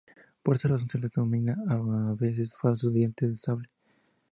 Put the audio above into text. Por esta razón, se les denomina a veces "falsos dientes de sable".